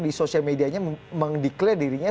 di sosial medianya mendeklarasi dirinya